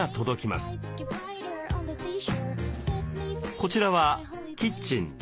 こちらはキッチン。